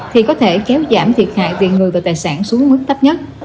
thì có thể kéo giảm thiệt hại về người và tài sản xuống mức thấp nhất